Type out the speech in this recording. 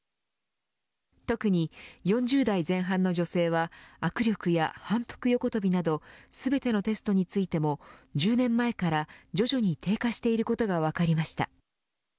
特に４０代前半の女性は握力や反復横跳びなど全てのテストについても１０年前から徐々に低下していることが分かりました。